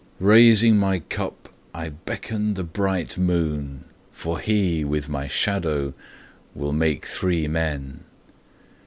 Raising my cup I beckon the bright moon, For he, with my shadow, will make three men.